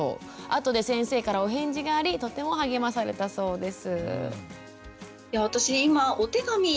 後で先生からお返事がありとても励まされたそうです。